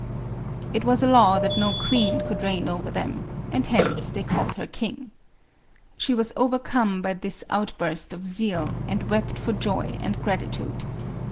It was a law that no queen could reign over them, and hence they called her kiny. She was overcome by this outburst of zeal, and wept for joy and gratitude.